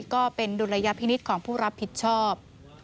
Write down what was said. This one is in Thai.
ดุลยพินิษฐ์ของผู้รับผิดชอบ